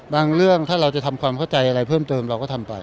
เรื่องถ้าเราจะทำความเข้าใจอะไรเพิ่มเติมเราก็ทำไป